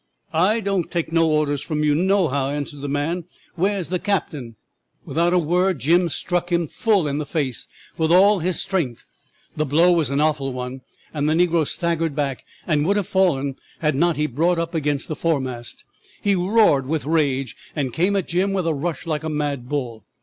"'"I don't take no orders from you, nohow," answered the man. "Where's the captain?" "'Without a word Jim struck him full in the face with all his strength. The blow was an awful one, and the negro staggered back, and would have fallen had not he brought up against the foremast. He roared with rage, and came at Jim with a rush like a mad bull.